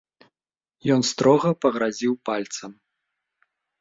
Ён строга пагразіў пальцам.